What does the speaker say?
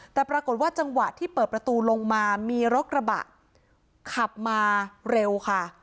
แต่ปรากฏว่าจังหวะที่เปิดประตูลงมามีรถกระบะขับมาเร็วค่ะ